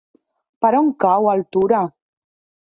Per on cau Altura?